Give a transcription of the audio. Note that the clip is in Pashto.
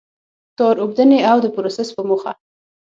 تار اوبدنې او د پروسس په موخه.